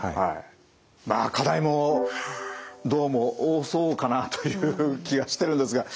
まあ課題もどうも多そうかなという気がしてるんですが。